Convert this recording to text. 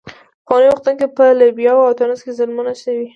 په پخوانیو وختونو کې په لیبیا او تونس کې ظلمونه شوي.